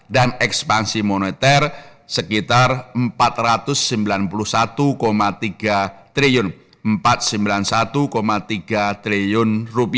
dan ekspansi moneter sekitar rp empat ratus sembilan puluh satu tiga triliun